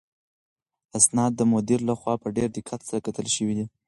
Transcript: اسناد د مدیر لخوا په ډېر دقت سره کتل شوي دي.